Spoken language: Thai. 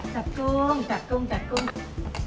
จัดกุ้งจัดกุ้ง